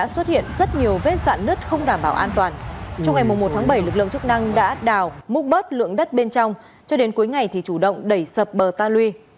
trong ngày một tháng bảy lực lượng chức năng đã đào múc bớt lượng đất bên trong cho đến cuối ngày thì chủ động đẩy sập bờ ta lui